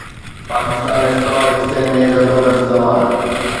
Pakistan stock exchange ۾ زبردست زوال